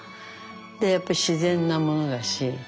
でやっぱ自然なものだし。